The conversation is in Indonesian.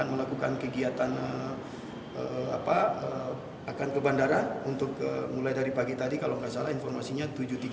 ada beberapa penumpang yang akan melakukan kegiatan ke bandara untuk mulai dari pagi tadi kalau tidak salah informasinya tujuh tiga puluh